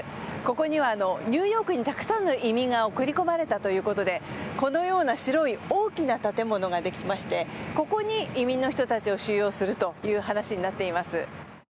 ここにはニューヨークにたくさんの移民が送り込まれたということでこのような白い大きな建物ができましてここに移民の人たちを収容するという話になっています。